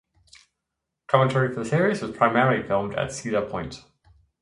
Commentary for the series was primarily filmed at Cedar Point.